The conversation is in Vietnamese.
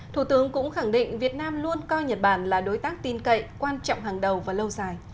thủ tướng cũng khẳng định việt nam luôn coi nhật bản là đối tác tin cậy quan trọng hàng đầu và lâu dài